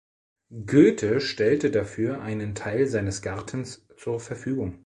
Goethe stellte dafür einen Teil seines Gartens zur Verfügung.